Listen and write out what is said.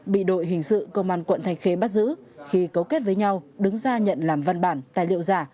bị đội hình sự công an quận thanh khê bắt giữ khi cấu kết với nhau đứng ra nhận làm văn bản tài liệu giả